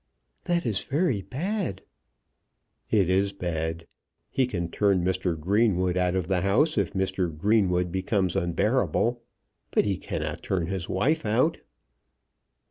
"That is very bad." "It is bad. He can turn Mr. Greenwood out of the house if Mr. Greenwood becomes unbearable. But he cannot turn his wife out."